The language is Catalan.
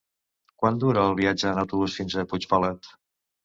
Quant dura el viatge en autobús fins a Puigpelat?